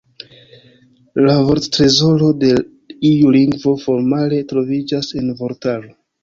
La vorttrezoro de iu lingvo – formale – troviĝas en vortaro.